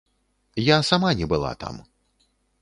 Я сама не была там.